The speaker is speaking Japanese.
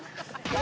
何？